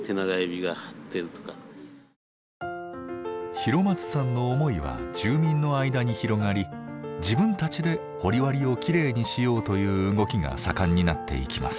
広松さんの思いは住民の間に広がり自分たちで掘割をきれいにしようという動きが盛んになっていきます。